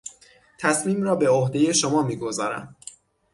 تصمیم را به عهدهی شما میگذارم.